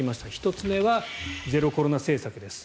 １つ目はゼロコロナ政策です。